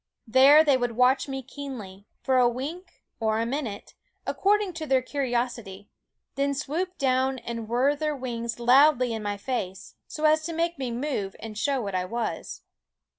There they would watch me keenly, for a wink or a minute, according to their curi osity, then swoop down and whirr their wings loudly in my face, so as to make me move and show what I was.